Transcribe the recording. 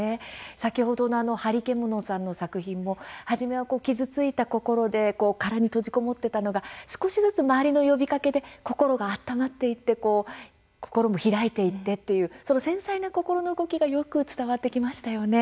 先ほどのハリケモノさんの作品も初めは傷ついた心で殻に閉じこもっていたのが少しずつ周りの呼びかけで心が温まっていって心を開いていったという繊細な心の動きがよく伝わってきましたよね。